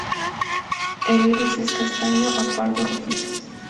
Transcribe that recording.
El iris es castaño a pardo rojizo.